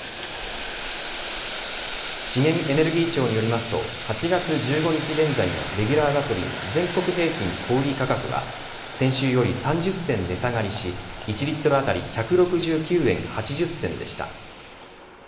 資源エネルギー庁によりますと８月１５日現在のレギュラーガソリン全国平均小売り価格は先週より３０銭値下がりし１リットル当たり１６９円８０銭でした。